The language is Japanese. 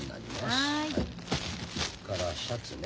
それからシャツね。